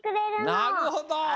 なるほど！